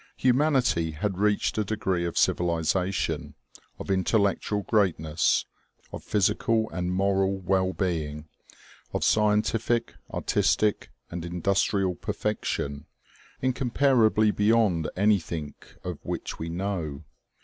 Humanity had reached a degree of civilization, of intellectual greatness, of phy sical and moral well being, of scientific, artistic and indus trial perfection, incomparably beyond anything of which we know.